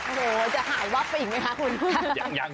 หนูจะหายวับไปอีกไหมคะคุณ